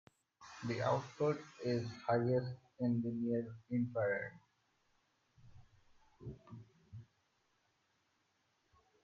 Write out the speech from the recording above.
The output is highest in the near infrared.